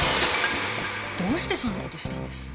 どうしてそんな事したんです？